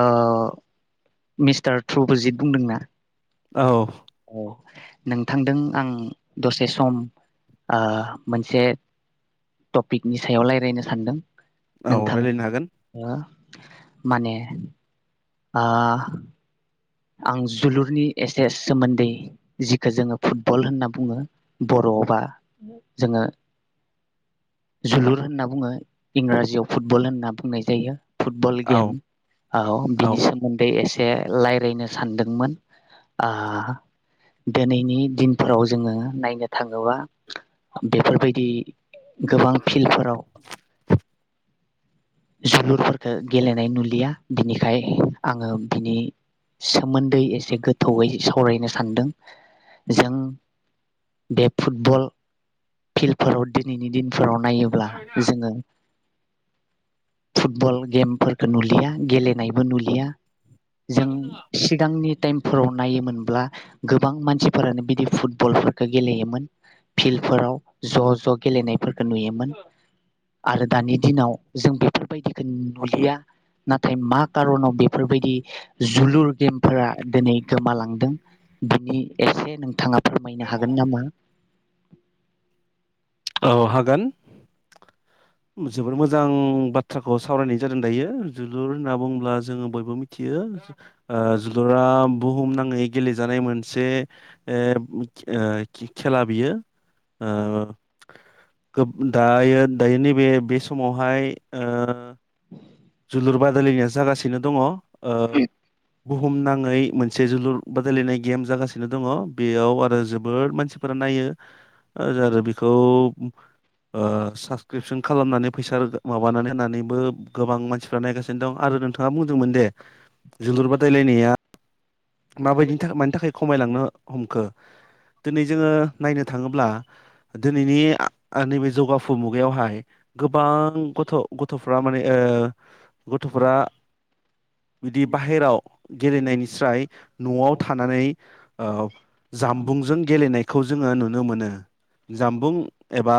ओ मिस्टार ट्रुबुजित बुंदोंना? औ औ नोंथांदों आं दसे सम ओ मोनसे टपिकनि सायाव रायलायनो सानदों। औ नोंथां रायलायनो हागोन। ओ माने ओ आं जोलुरनि एसे सोमोन्दै जिखो जोङो फुटबल होनना बुङो बर'आवबा जोङो जोलुर होनना बुङो इंराजियाव फुटबल होनना बुंनाय जायो। फुटबल औ गेम औ बिनि सोमोन्दै एसे से लायरायनो सानदोंमोन ओ दिनैनि दिनफोराव जोङो नायनो थाङोबा बेफोरबायदि गोबां फिल्डफोराव जोलुरफोरखो गेलेनाय नुलिया बिनिखाय आङो बिनि सोमोन्दै एसे गोथौयै सावरायनो सानदों जों बे फुटबल फिल्डफोराव दिनैनि दिन फोराव नायोब्ला जोङो फुटबल गेमफोरखौ नुलिया गेलेनायबो नुलिया। जों सिगांनि टाइम फोराव नायोमोनब्ला गोबां मानसिफोरानो बिदि फुटबलफोरखौ गेलेयोमोन फिल्डफोराव ज' ज' गेलेनायफोरखौ नुयोमोन आरो दानि दिनाव जों बेफोरबायदिखौ नुलिया नाथाय मा खारनाव बेफोरबायदि जोलुर गेमफोरा दिनै गोमालांदों बिनि एसे नोंथाङा फोरमायनो हागोन नामा? औ हागोन जोबोर मोजां बाथ्राखौ सावरायनाय जादों दायो जोलुर होनना बुंङोब्ला जोङो बयबो मिथियो। ओ जोलुरा बुहुम नाङै गेलेजानाय मोनसे एर ओ ओ खेला बियो। आ। गोब दायो दायो नैबे बे समावहाय ओ जोलुर बादालायनाया जागासि सिनो दङ ओ बुहुमनाङै मोन से जोलुर बादायलायनाय गेम जागासिनो दङ बेयाव आरो जोबोर मानसिफोरा नायो आजारो बेखो [unintelligible] ओ साबसक्रिपसन खालामनानै फैसा रोदा माबानानै होनानैबो गोबां मानसिफ्रा नायगासिनो दं आरो नोंथाङा बुंदोंमोन दे जोलुर बादायलायनाया माबायदिनि थाखा मानि थाखाय खमायलांनो हमखो दिनै जोङो नायनो थाङो ब्ला दिनैनि आ आ नैबे जौगाफु मुगायावहाय गोबां गथ' गथ गथ'फ्रा माने ओ गथ'फोरा बिदि बाहेराव गेलेनायनिस्राय न'आव थानानै ओ जामबुंजों गेलेनाय खौ जोङो नुनो मोनो। जामबुं एबा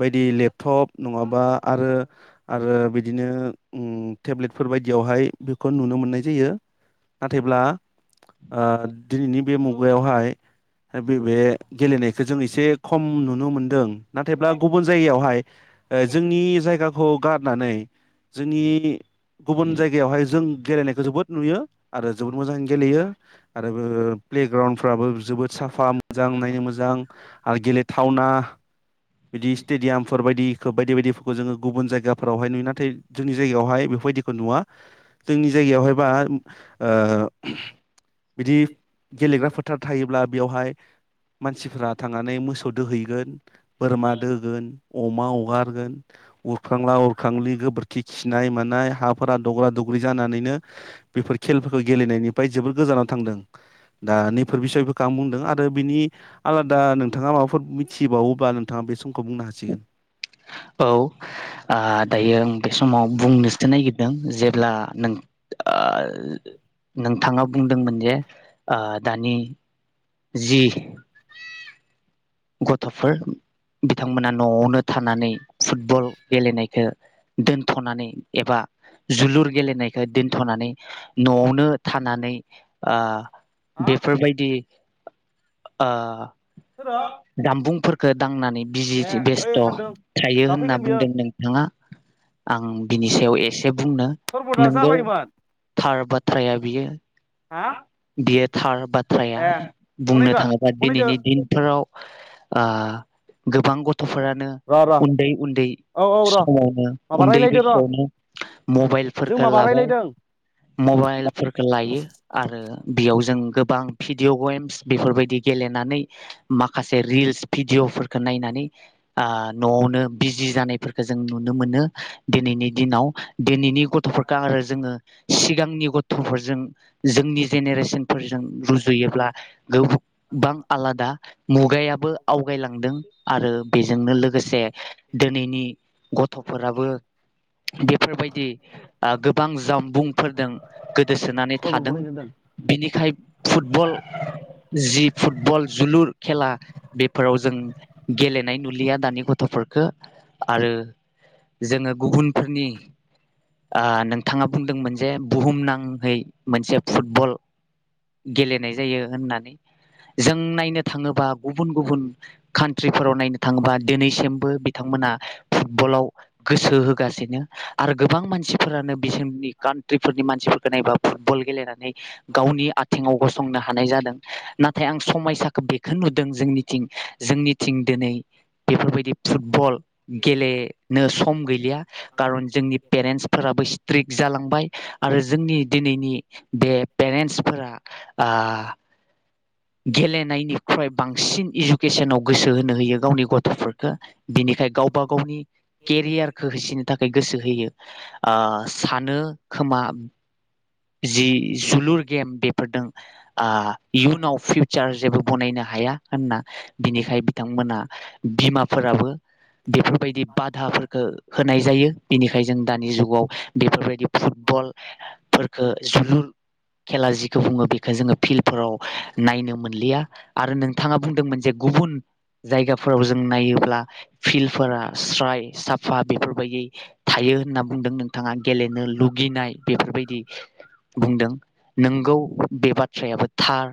बायदि लेपटप नङाबा आरो आरो बिदिनो ओम टेब्लेटफोर बायदियावहाय बेखौ नुनो मोननाय जायो। नाथायब्ला आ दिनैनि बे मुगायावहाय बे-बे गेलेनाय जों एसे खम नुनो मोनदों। नाथायब्ला गुबुन जायगायावहाय ओ जोंनि जायगा हगारनानै जोंनि गुबुन जायगायावहाय जों गेलेनायखौ जोबोद नुयो। आरो जोबोद मोजां बियो आरोबो प्लेग्राउन्ड फ्राबो जोबोद साफा मोजां नायनो मोजां आरो गेलेथावना। बिदि स्टेडियामफोर बायदि खो बायदि बायदिफोरखौ जोङो गुबुन जायगाफोरावहाय नुयो नाथाय जोंनि जायगायावहाय बेफोरबायदिखौ नुवा। जोंनि जायगायावहाय बा ओ [inaudible] बिदि गेलेग्रा फोथार थायोब्ला बेवहाय मानसिफोरा थांनानै मोसौ दोहैगोन बोरमा दोगोन, अमा हगारगोन उरखांला उरखांलि गोबोरखि खिनाय मानाय हाफोरा दग्रा दग्रि जानानैनो बेफोर खेलफोरखौ गेलेनायनि फाय जोबोर गोजानाव थांदों। दा नैफोर बिसयफोर आं बुंदों आरो बिनि आलादा नोंथाङा माबाफोर मिथ [unintelligible] बावोब्ला नोंथाङा बे समखौ बुंनो हासिगोन। औ ओ दायो आं बे समाव बुंनोसो नागिरदों जे ब्ला नों-ओ-नोंथाङा बुंदोंमोन जे ओ दानि जि गथ'फोर बिथांमोना न'आवनो थानानै फुटबल गेलेनायखौ दोनथ'नानै एबा जोलुर गेलेनायखौ दोनथ'नानै न'आवनो थानानै ओ हा बेफोरबायदि ओ सोरो? जामबुंफोरखौ दांनानै ए बिजि ओइ बेस्थ' थांदों थायो दा होनना फैगोन बियो बुंदों नोंथाङा आं बिनि सायाव एसे बुंनो। सरबदा नोंगौ जाबायमोन थार बा थ्राया बियो हा बियो थार बाथ्राया ए बुंनो गनायगोन थाङोबा गनायदो दिनैनि दिनफोराव आ गोबां गथ' फोरानो र' र' उन्दै-उन्दै औ औ र' समावनो माबा उन्दै रायलायदो र' बैसोआवनो जों मबाइलफोरखौ माबा लाबाय रायलायदों मबाइलफोरखौ लायो आरो बेयाव जों गोबां भिडिअ' गेम्स बेफोरबायदि गेलेनानै माखासे रिल्स भिडिअ'फोरखौ नायनानै न'आवनो बिजि जानायफोरखौ जों नुनो मोनो दिनैनि दिनाव दिनैनि गथ'फोरखौ आरो जोङो सिगांनि गथ'फोरजों जोंनि जेनेरेसनफोरजों रुजुयोब्ला गोबां बां आलादा खुगायाबो आवगायलांदों आरो बेजोंनो लोगोसे दिनैनि गथ'फोराबो‌ बेफोरबायदि गोबां जामबुंफोरजों गोदोसोनानै सरबद थादों गनायगोन बिनिखाय फुटबल जि फुटबल जोलुर खेला बेफोराव जों गेलेनाय नुलिया दानि गथ'फोरखौ आरो जोङो गुबुनफोरनि ओ नोंथाङा बुंदोंमोन जे बुहुमनाङै मोनसे फुटबल गेलेनाय जायो होननानै जों नायनो बा गुबुन-गुबुन कान्ट्रिफोराव नायनो थाङोबा दिनैसिमबो बिथांमोना फुटबलाव गोसो होगासिनो आरो गोबां मानसिफोरानो बिसोरनि कान्ट्रिफोरनि मानसिफोरखौ नायबा फुटबल गेलेनानै गावनि आथिङाव गसं गसंनो हानाय जादों नाथाय आं समयसाखौ बे खौ नुदों जोंनिथिं जोंनिथिं दिनै बेफोरबायदि फुटबल गेलेनो सम गैलिया खार'न जोंनि पेरेन्टसफोराबो स्ट्रिक जालांबाय आरो जोंनि दिनैनि बे पेरेन्टसफोरा गेलेनायनि बांसिन इडुकेसनाव गोसो होनो होयो गावनि गथ'फोरखौ बिनिखाय गावबा गावनि केरियारखौ होसोनो थाखाय गोसो [unintelligible] आ सानो खोमा जि जोलुर गेम बेफोरजों ओ इयुनाव फिउचार जेबो बानायनो हाया होनना बिनिखाय बिथांमोना बिमाफोराबो बेफोरबायदि बादाफोरखौ होनाय जायो बिनिखायनो जों दानि जुगाव बेफोरबायदि फुटबलफोरखो जोलुर खेला जिखौ बुङो बेखो जोङो फिल्डफोराव नायनो मोनलिया आरो नोंथाङा बुंदोंमोन जे गुबुन जायगाफोराव जों नायोब्ला फिल्डफोरा स्राय साफा बेफोरबायदि थायो होनना बुंदों नोंथाङा गेलेनो लुबैनाय बेफोरबायदि बुंदों नोंगौ बे बाथ्रायाबो थार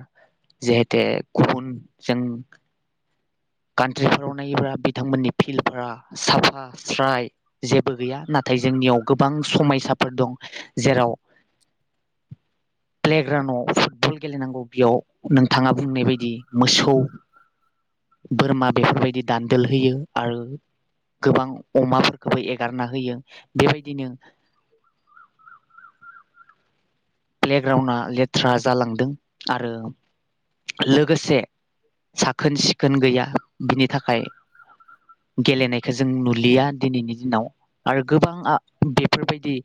जिहेथु गुबुनजों कान्ट्रिफोराव नायोब्ला बिथांमोननि फिल्डफोरा साफा स्राय जेबो गैया नाथाय जोंनियाव गोबां समायसाफोर दं जेराव प्लेग्राउणडआव फुटबल गेलेनांगौ बेयाव नोंथाङा बुंनाय बायदि मोसौ बोरमा बेफोरबायदि दान्दोल होयो आरो गोबां अमाफोरखौबो एगारना होयो बेबायदिनो प्लेग्राउणडआ लेथ्रा जालांदों आरो लोगोसे साखोन सिखोन गैया बिनि थाखाय गेलेनायखौ जों नुलिया दिनैनि दिनाव आरो गोबां बेफोरबायदि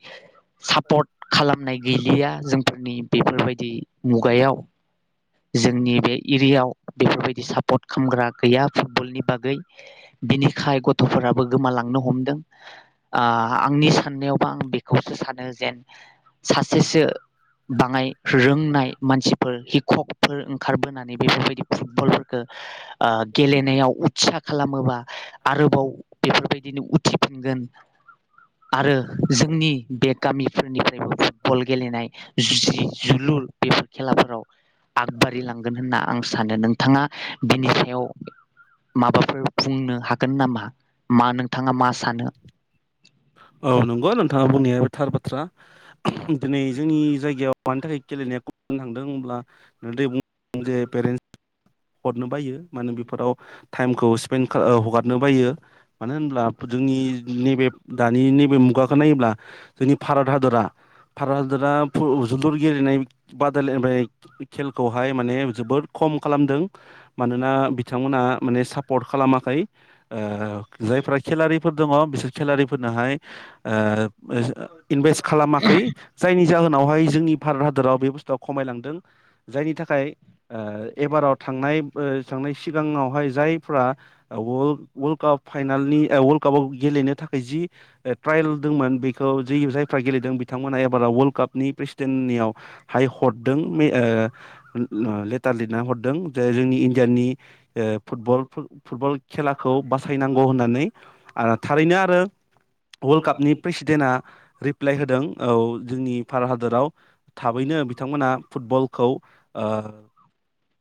सापर्ट खालामनाय गैलिया फोरनि बेफोरबायदि मुगायाव जोंनि बे एरियायाव बेफोरबायदि सापर्ट खालामग्रा गैया फुटबलनि बागै बिनिखाय गथ'फोराबो गोमालांनो हमदों ओ आंनि साननायावबा आं बेखौसो सानो जेन सासेसो बाङाय रोंनाय मानसिफोर [unintelligible] ओंखारबोनानै बेफोरबायदि फुटबलफोरखौ ओ गेलेनायाव उत्सा खालामोबा आरोबाव बेफोरबायदिनो उथिफिनगोन आरो जोंनि बे गामिफोरनिफ्रायबो फुटबल गेलेनाय जि जोलुर बेफोर खेलाफोराव आगबारि लांगोन होनना आं सा सानो नोंथाङा बिनि सायाव माबाफोर बुंनो हागोन नामा मा नोंथाङा मा सानो औ नंगौ नोंथाङा बुंनाया थार बाथ्रा दिनै जोंनि जायगायाव मानि थाखाय गेलेनाया खमायलांदों होनब्ला [unintelligible] नो बायो माने बेफोराव टाइमखौ स्पेन्ड हगारनो बायो मानो होनब्ला जोंनि नैबे दानि नैबे मुगाखौ नायोब्ला जोंनि भारत हादरा भारत हादरा फुट जोलुर गेलेनाय बादायलायनाय खेलखौहाय माने जोबोद खम खालामदों मानोना बिथांमोना माने सापर्ट खालामाखै ओ जायफ्रा खेलारि फोर दङ बिसोर खेलारि फोरनोहाय ओ इनभेस्ट खालामाखै जायनि जाहोनावहाय जोंनि भारत हादराव बे बुस्थुआ खमायलांदों जायनि थाखाय ओ एबाराव थांनाय ओ थांनाय सिगाङावहाय जायफ्रा वर्ल्ड काप फाइनालनि वर्ल्ड कापाव गेलेनो थाखाय जि ट्रायेल दंमोन बेखौ दि जायफ्रा गेलेदों बिथांमोना एबारा वलकापनि प्रेसिडेन्टनियावहाय हायकरदों ओ लेटार लिरना हरदों जे जोंनि इण्डियानि ओ फुटबल खेलाखौ बासायनांगौ बो होननानै ओ एबाराव थांनाय वर्ल्ड कापनि प्रेसिडेन्टआ रिप्लाइ होदों औ जोंनि भारत हादराव थाबैनो बिथांमोनहा फुटबल खौ ओ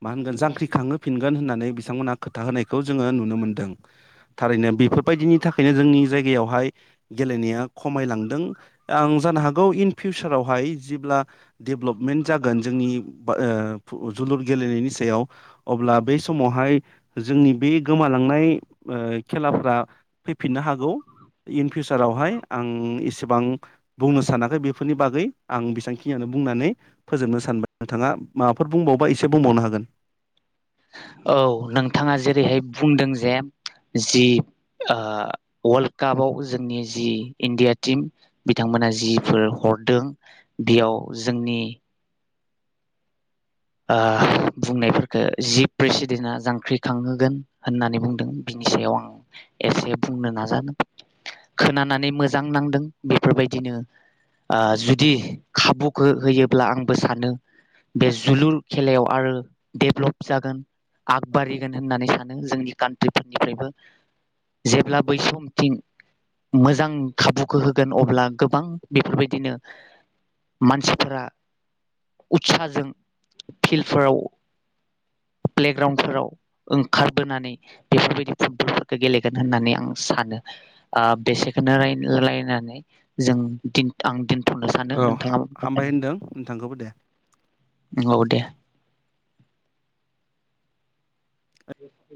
मा होनगोन जांख्रि खाांहोफिनगोन होननानै नै बिथांमोना खोथा होनायखौ जोङो नुनो मोनदों थारैनो बेफोर बायदिनि थाखायनो जोंनि जायगायाव फाय गेलेनाया खमायलांदों आं जानो हागौ इन फिउचारावहाय जेब्ला डेभलप मेन जागोन जोंनि ओ जोलुर गेलेनायनि सायाव अब्ला बै समावहाय जोंनि बे गोमालांनाय ओ खेलाफोरा फैफिननो हागौ। इन फिउचारावहाय आं एसेबां बुंनो साना खै बेफोरनि बागै आं बेसांखि बेखिनियावनो बुंनानै फोजोबनो सानबाय। नोंथाङा माबाफोर बुंबावबा एसे बुंबावनो हागोन। औ नोंथाङा जेरैहाय बुंदों जे जि ओ वर्ल्ड कापआव जोंनि जि इण्डिया टिम बिथांमोना जिफोर हरदों बेयाव जोंनि ओ बुंनायफोरखौ जि प्रेसिडेन्टआ जांख्रिखांहोगोन होननानै बुंदों बिनि सायाव आं एसे बुंनो नाजादों। खोनानानै मोजां नांदों बे बेफोरबायदिनो ओ जुदि खाबु गो होयोब्ला आंबो सानो बेस जोलुर खेलायाव आरो डेभलप जागोन आगबारिगोन होननानै सानो जोंनि कान्ट्रिफोरनिफ्रायबो। जेब्ला बै समथिं मोजां खाबुखो होगोन अब्ला गोबां बेफोरबायदिनो मानसिफोरा उत्साजों फिल्फोराव प्लेग्राउन्डफोराव ओंखारबोनानै बेफोरबायदि फुट बलफोरखो गेलेगोन होननानै आं सानो। ओ बेसेखोनो राय रायलानानै जों दिन आं दोनथ'नो सानदो औ हा- नोंथाङा हामबाय होनदों नोंथांखौबो दे। [unintelligible] औ दे। [inaudible]